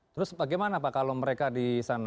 terus bagaimana pak kalau mereka di sana